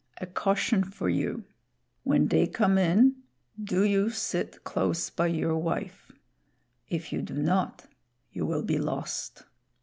A caution for you. When they come in, do you sit close by your wife; if you do not, you will be lost.